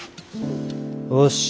よし。